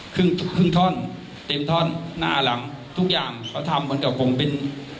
ครึ่งครึ่งท่อนเต็มท่อนหน้าหลังทุกอย่างเขาทำเหมือนกับผมเป็น